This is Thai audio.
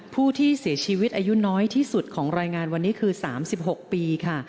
ผู้ที่เสียชีวิตอายุน้อยที่สุดของรายงานวันนี้คือ๓๖ปีค่ะ